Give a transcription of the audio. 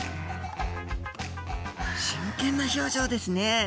真剣な表情ですね